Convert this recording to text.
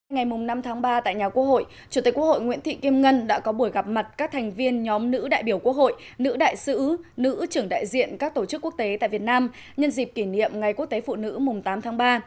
ngày năm tháng ba tại nhà quốc hội chủ tịch quốc hội nguyễn thị kim ngân đã có buổi gặp mặt các thành viên nhóm nữ đại biểu quốc hội nữ đại sứ nữ trưởng đại diện các tổ chức quốc tế tại việt nam nhân dịp kỷ niệm ngày quốc tế phụ nữ mùng tám tháng ba